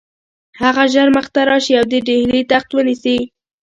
هغه ژر مخته راشي او د ډهلي تخت ونیسي.